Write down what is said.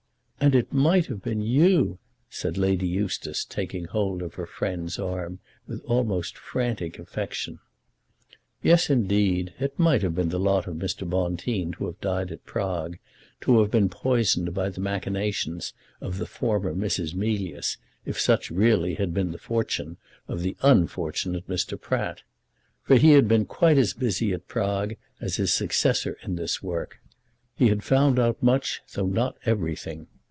"And it might have been you!" said Lady Eustace, taking hold of her friend's arm with almost frantic affection. Yes, indeed. It might have been the lot of Mr. Bonteen to have died at Prague to have been poisoned by the machinations of the former Mrs. Mealyus, if such really had been the fortune of the unfortunate Mr. Pratt. For he had been quite as busy at Prague as his successor in the work. He had found out much, though not everything.